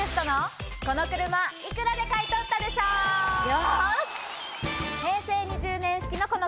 よし！